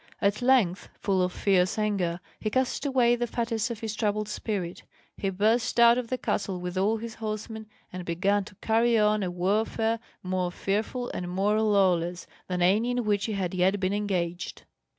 At length, full of fierce anger, he cast away the fetters of his troubled spirit, he burst out of the castle with all his horsemen, and began to carry on a warfare more fearful and more lawless than any in which he had yet been engaged.